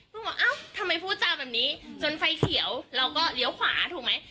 บอกเอ้าทำไมพูดจาแบบนี้จนไฟเขียวเราก็เลี้ยวขวาถูกไหม